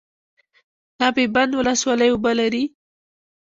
اب بند ولسوالۍ اوبه لري؟